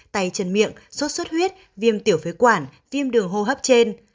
tay chân miệng sốt xuất huyết viêm tiểu phế quản viêm đường hô hấp trên